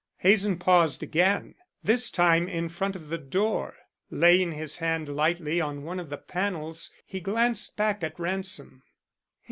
Hazen paused again, this time in front of the door. Laying his hand lightly on one of the panels, he glanced back at Ransom.